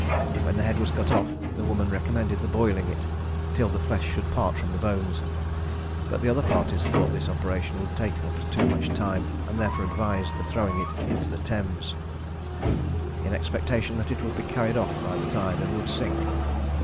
When the head was cut off, the woman recommended the boiling it till the flesh should part from the bones; but the other parties thought this operation would take up too much time, and therefore advised the throwing it into the Thames, in expectation that it would be carried off by the tide, and would sink.